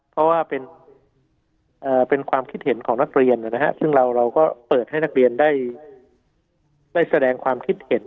เพราะว่าเป็นความคิดเห็นของนักเรียนซึ่งเราก็เปิดให้นักเรียนได้แสดงความคิดเห็น